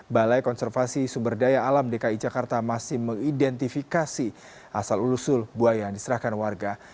balai konservasi sumber daya alam dki jakarta masih mengidentifikasi asal ulusul buaya yang diserahkan warga